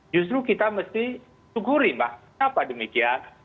justru kita mesti syukuri mbak kenapa demikian